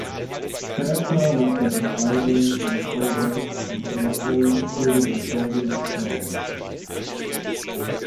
Später, nach der Beschreibung von Colbert und Russell, wurde der Schädel beschädigt.